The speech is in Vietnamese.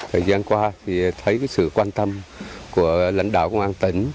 thời gian qua thì thấy sự quan tâm của lãnh đạo công an tỉnh